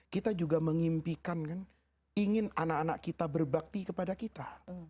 kita juga mengimpikan kan ingin anak anak kita berbakti kepada kita